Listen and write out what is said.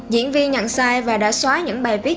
diễn viên nhận sai và đã xóa những bài viết